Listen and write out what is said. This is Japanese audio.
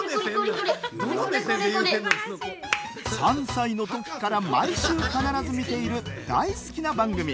３歳のときから毎週必ず見ている大好きな番組。